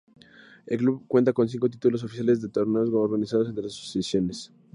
El club cuenta con cinco títulos oficiales en torneos organizados entre asociaciones.